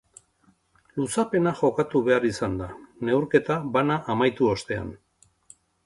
Luzapena jokatu behar izan da, neurketa bana amaitu ostean.